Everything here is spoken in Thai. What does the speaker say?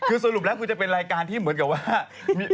คือสรุปแล้วคือจะเป็นรายการที่เหมือนกับว่า